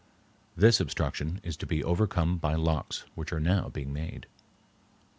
This obstruction is to be overcome by locks, which are now being made.